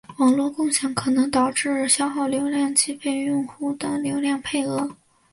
网络共享可能导致消耗流量计费用户的流量配额。